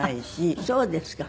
あっそうですか。